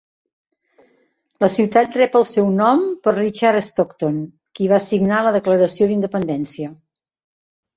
La ciutat rep el seu nom per Richard Stockton, qui va signar la Declaració d'independència.